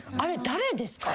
誰ですか？